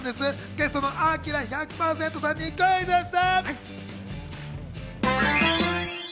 ゲストのアキラ１００％さんにクイズッス。